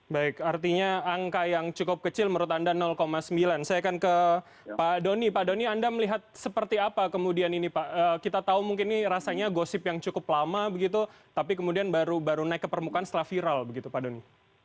baik artinya angka yang cukup kecil menurut anda sembilan saya akan ke pak doni pak doni anda melihat seperti apa kemudian ini pak kita tahu mungkin ini rasanya gosip yang cukup lama begitu tapi kemudian baru naik ke permukaan setelah viral begitu pak doni